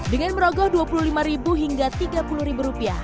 dengan merogoh rp dua puluh lima hingga rp tiga puluh